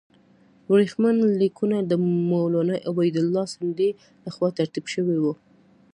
ورېښمین لیکونه د مولنا عبیدالله سندي له خوا ترتیب شوي وو.